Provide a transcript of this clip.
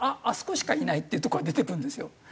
あそこしかいないっていうとこが出てくるんですよ。